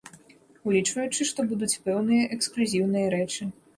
Улічваючы, што будуць пэўныя эксклюзіўныя рэчы.